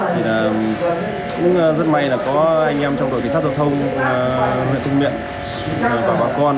cũng rất may là có anh em trọng đội kịch sát hợp thông quyền thông miện và bà con